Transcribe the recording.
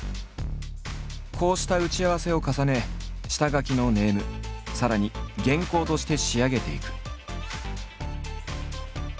こうした打ち合わせを重ね下書きのネームさらに原稿として仕上げていく。